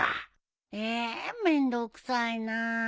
ええ面倒くさいな。